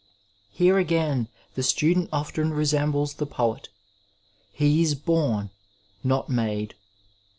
Here again the student often resembles the poet — ^he is bom, not made.